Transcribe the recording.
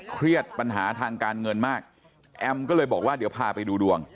เครียดปัญหาทางการเงินมากแอมก็เลยบอกว่าเดี๋ยวพาไปดูดวง